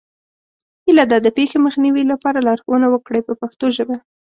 هیله ده د پېښې مخنیوي لپاره لارښوونه وکړئ په پښتو ژبه.